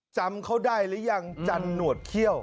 จำเขาได้หรือยังจันหนวดเขี้ยว